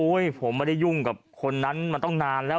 โอ้ยผมไม่ได้ยุ่งกับคนนั้นมันต้องนานแล้ว